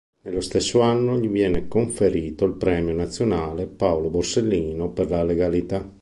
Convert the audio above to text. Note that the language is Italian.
Nello stesso anno gli viene conferito il premio nazionale Paolo Borsellino per la legalità.